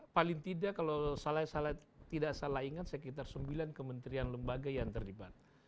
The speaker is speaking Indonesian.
paling tidak kalau salah tidak salah ingat sekitar sembilan kementerian lembaga yang terlibat